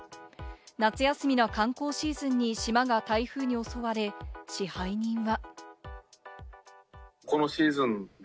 夏休みの観光シーズンに島が台風に襲われ、支配人は。